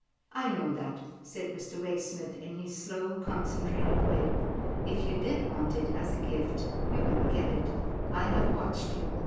I know that," said Mr. Waysmith in his slow, concentrated way, " if you did want it as a gift, you wouldn't get it. I have watched you.